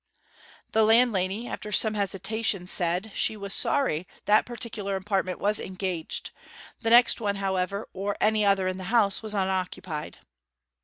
The landlady, after some hesitation, said she was sorry that particular apartment was engaged; the next one, however, or any other in the house, was unoccupied.